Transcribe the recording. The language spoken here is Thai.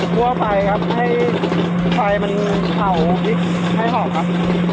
กลัวไฟครับให้ไฟเผาพริกให้หอมครับ